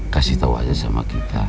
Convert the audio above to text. kasih tahu aja sama kita